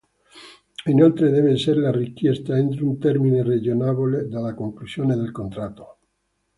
Inoltre deve esser richiesta entro un termine ragionevole dalla conclusione del contratto.